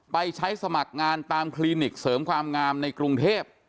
ไปใช้สมัครงานตามคลินิกเสริมความงามในกรุงเทพ